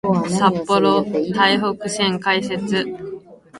札幌・台北線開設